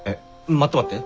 待って待って。